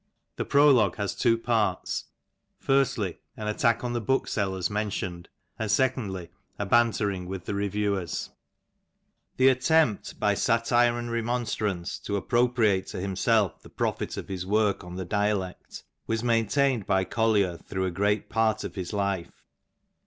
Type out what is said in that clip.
The prologue has two parts, firstly an attack on the booksellers mentioned, and secondly a bantering with the reviewers. The attempt by satire and remonstrance to appropriate to him self the profit of his work on the dialect was maintained by Collier through a great part of his life.